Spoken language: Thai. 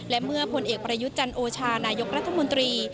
และเมื่อผลเอกประยุทธ์จันโอชานายกรัฐมนตรี